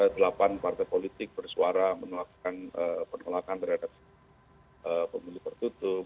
delapan partai politik bersuara menolakkan penolakan terhadap pemilu tertutup